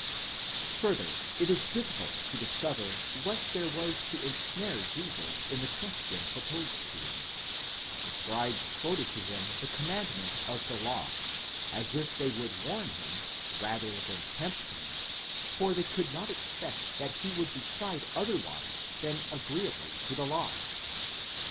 Further, it is difficult to discover what there was to ensnare Jesus in the question proposed to him ;* the scribes quoted to him the commandment of the law, as if they would warn him, rather than tempt him, for they could not expect that he would decide otherwise than agreeably to the law.